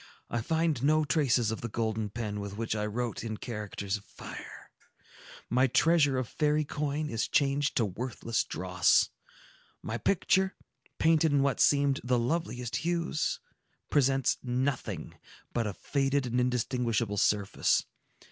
"I find no traces of the golden pen with which I wrote in characters of fire. My treasure of fairy coin is changed to worthless dross. My picture, painted in what seemed the loveliest hues, presents nothing but a faded and indistinguishable surface.